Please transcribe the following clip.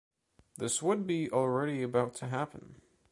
This would be already about to happen.